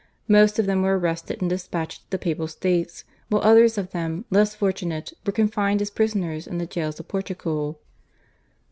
Most of them were arrested and despatched to the Papal States, while others of them, less fortunate, were confined as prisoners in the jails of Portugal.